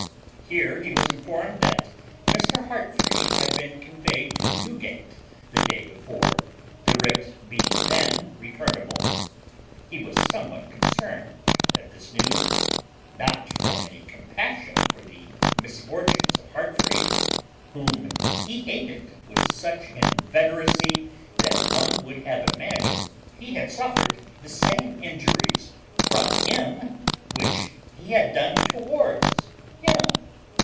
Here he was informed that Mr. Heartfree had been conveyed to Newgate the day before, the writ being then returnable. He was somewhat concerned at this news; not from any compassion for the misfortunes of Heartfree, whom he hated with such inveteracy that one would have imagined he had suffered the same injuries from him which he had done towards him.